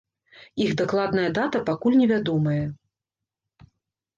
Іх дакладная дата пакуль невядомая.